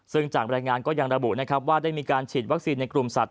ซึ่งจากรายงานก็ยังระบุนะครับว่าได้มีการฉีดวัคซีนในกลุ่มสัตว